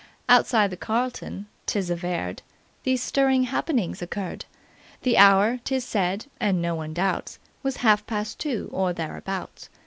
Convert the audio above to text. "Outside the 'Carlton,' 'tis averred, these stirring happenings occurred. The hour, 'tis said (and no one doubts) was half past two, or thereabouts.